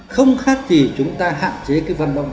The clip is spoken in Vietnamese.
không khác thì chúng ta hạn chế cái vận động